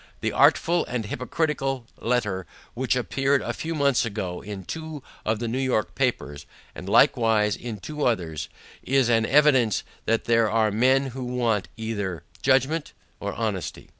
The artful and hypocritical letter which appeared a few months ago in two of the New York papers, and likewise in two others, is an evidence that there are men who want either judgment or honesty.